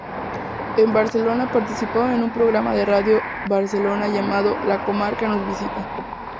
En Barcelona participaron en un programa de Radio Barcelona llamado "La comarca nos visita".